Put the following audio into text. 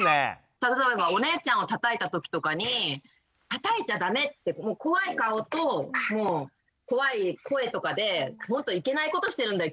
例えばお姉ちゃんをたたいたときとかに「たたいちゃだめ！」って怖い顔と怖い声とかでもっといけないことしてるんだよ